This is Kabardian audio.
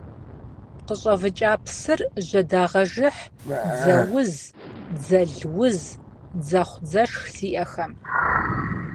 Къыщӏэвыкӏа псыр жьэдагъэжыхь дзэуз, дзэлуз, дзэхъу-дзэшх зиӏэхэм.